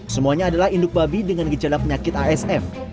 semuanya adalah induk babi dengan gejala penyakit asf